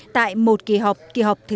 tại một kỳ họp kỳ họp thứ tám